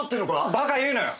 バカ言うなよ！